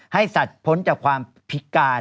ให้สัตว์พ้นจากความพิการ